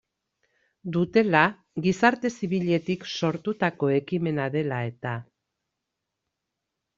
Dutela, gizarte zibiletik sortutako ekimena dela eta.